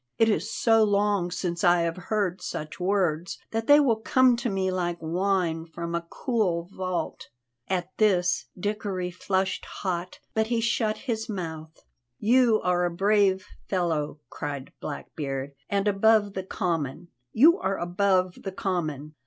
It is so long since I have heard such words that they come to me like wine from a cool vault." At this Dickory flushed hot, but he shut his mouth. "You are a brave fellow," cried Blackbeard, "and above the common, you are above the common.